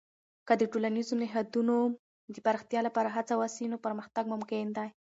که د ټولنیزو نهادونو د پراختیا لپاره هڅه وسي، نو پرمختګ ممکن دی.